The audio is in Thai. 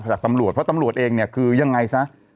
จากตำรวจเพราะตำรวจเองเนี่ยคือยังไงซะ